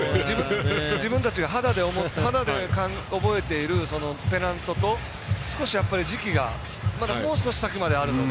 自分たちが肌で覚えているペナントと、少しやっぱり時期がもう少し先まであるので。